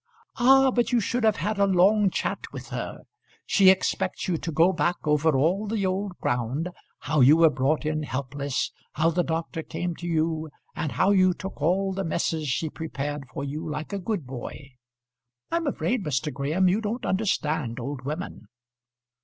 "Ah, but you should have had a long chat with her. She expects you to go back over all the old ground, how you were brought in helpless, how the doctor came to you, and how you took all the messes she prepared for you like a good boy. I'm afraid, Mr. Graham, you don't understand old women."